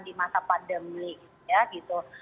di masa pandemi ya gitu